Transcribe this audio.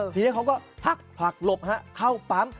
ทีนี้เขาก็พักผลักหลบเข้าปั๊ม